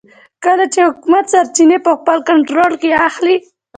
کله چې حکومت سرچینې په خپل کنټرول کې اخلي.